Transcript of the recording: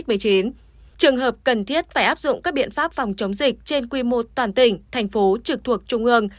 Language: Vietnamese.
trường hợp cần thiết phải áp dụng các biện pháp phòng chống dịch trên quy mô toàn tỉnh thành phố trực thuộc trung ương